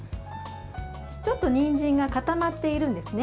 ちょっとにんじんが固まっているんですね。